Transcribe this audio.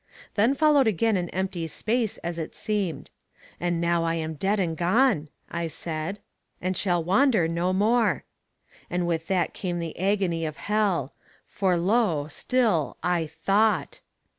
Then followed again an empty space as it seemed. And now I am dead and gone, I said, and shall wander no more. And with that came the agony of hell, for, lo, still I THOUGHT!